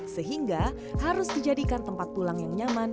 sehingga harus dijadikan tempat pulang yang nyaman